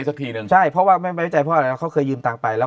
ซักทีนึงใช่เพราะว่าไม่ใจเพราะว่าเขาเคยยืมตังค์ไปแล้ว